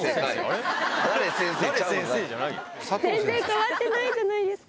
先生変わってないじゃないですか。